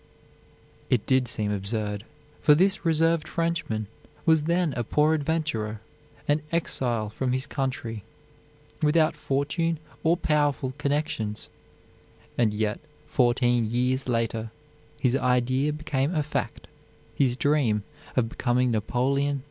It did seem absurd, for this reserved Frenchman was then a poor adventurer, an exile from his country, without fortune or powerful connections, and yet, fourteen years later, his idea became a fact, his dream of becoming Napoleon III.